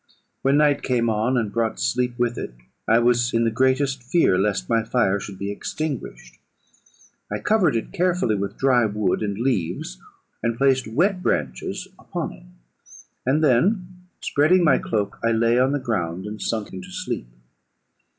When night came on, and brought sleep with it, I was in the greatest fear lest my fire should be extinguished. I covered it carefully with dry wood and leaves, and placed wet branches upon it; and then, spreading my cloak, I lay on the ground, and sunk into sleep.